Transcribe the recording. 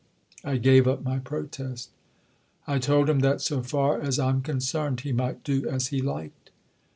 "I gave up my protest. I told him that—so far as I'm concerned!—he might do as he liked."